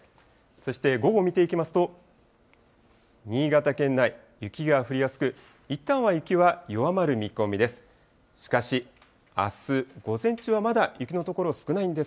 そして午後見ていきますと、新潟県内、雪が降りやすく、いったんは雪は弱まる見込みです。